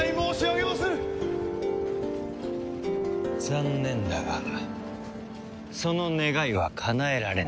残念だがその願いはかなえられない。